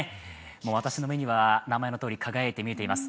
私の目には名前のとおり、輝いて見えています。